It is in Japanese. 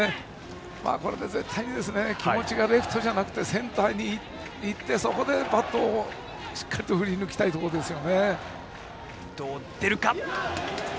これで絶対に気持ちがレフトじゃなくてセンターにいってそこでバットをしっかりと振りぬきたいところですね。